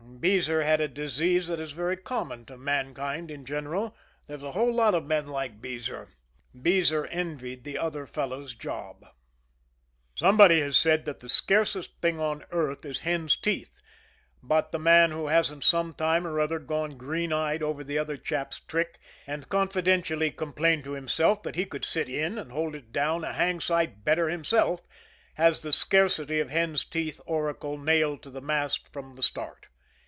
Beezer had a disease that is very common to mankind in general. There's a whole lot of men like Beezer. Beezer envied the other fellow's job. Somebody has said that the scarcest thing on earth is hen's teeth, but the man who hasn't some time or other gone green eyed over the other chap's trick, and confidentially complained to himself that he could "sit in" and hold it down a hanged sight better himself, has the scarcity of hen's teeth oracle nailed to the mast from the start.